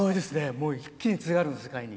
もう一気に津軽の世界に。